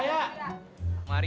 saya juga mau nari